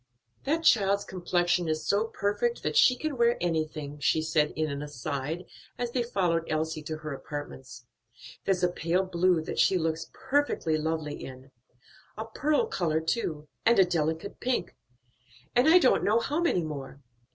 "That child's complexion is so perfect, that she can wear anything," she added in an aside, as they followed Elsie to her apartments; "there's a pale blue that she looks perfectly lovely in; a pearl color too, and a delicate pink, and I don't know how many more.